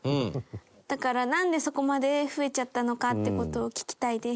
だからなんでそこまで増えちゃったのかって事を聞きたいです。